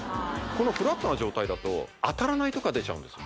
このフラットな状態だと当たらないとこが出ちゃうんです